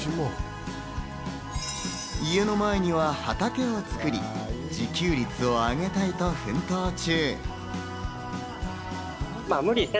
家の前には畑を作り、自給率を上げたいと奮闘中。